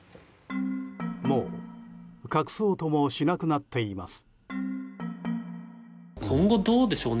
もう隠そうともしなくなっています。